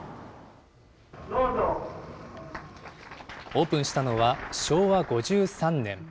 オープンしたのは、昭和５３年。